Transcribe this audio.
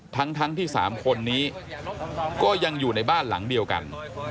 ทั้งที่๓คนนี้ก็ยังอยู่ในบ้านหลังเดียวกัน